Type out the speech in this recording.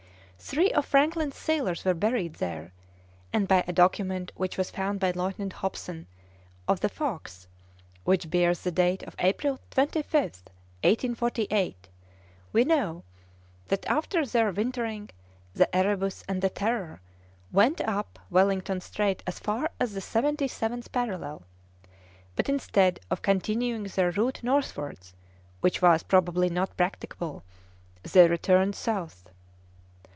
Three of Franklin's sailors were buried there, and by a document which was found by Lieutenant Hobson, of the Fox, which bears the date of April 25th, 1848, we know that after their wintering the Erebus and the Terror went up Wellington Strait as far as the seventy seventh parallel; but instead of continuing their route northwards, which was, probably, not practicable, they returned south."